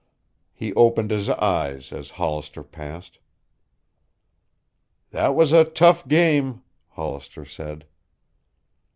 He opened his eyes as Hollister passed. "That was a tough game," Hollister said.